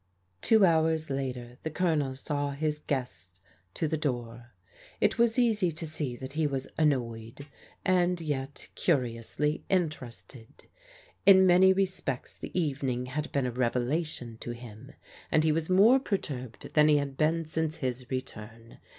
Two hours later the Colonel saw his guests to the door. It was easy to see that he was annoyed, and yet curi ously interested. In many respects the evening had been a revelation to him, and he was more perturbed than he had been since his return.